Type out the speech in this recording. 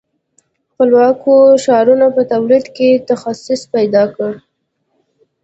خپلواکو ښارونو په تولید کې تخصص پیدا کړ.